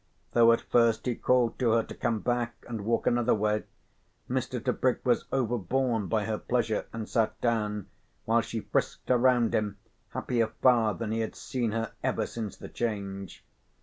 Though at first he called to her to come back and walk another way, Mr. Tebrick was overborne by her pleasure and sat down, while she frisked around him happier far than he had seen her ever since the change.